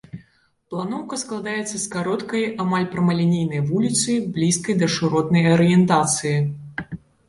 Планоўка складаецца з кароткай, амаль прамалінейнай вуліцы, блізкай да шыротнай арыентацыі.